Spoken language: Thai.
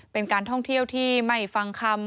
เป็นการท่องเที่ยวที่ไม่ฟังคำ